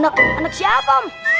aku nih anak siapa